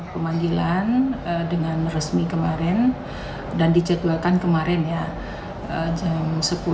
pemanggilan dengan resmi kemarin dan dijadwalkan kemarin ya jam sepuluh